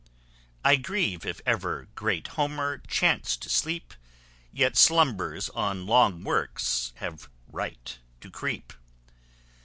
_ I grieve if e'er great Homer chance to sleep, Yet slumbers on long works have right to creep.